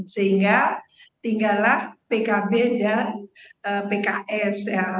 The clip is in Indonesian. sehingga tinggallah pkb dan pks